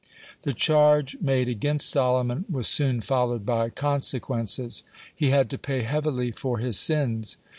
(81) The charge made against Solomon was soon followed by consequences. He had to pay heavily for his sins.